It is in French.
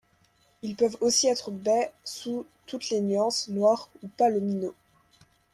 Ils peuvent aussi être bais sous toutes les nuances, noirs ou palomino.